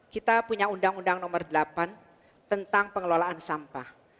kita punya undang undang nomor delapan tentang pengelolaan sampah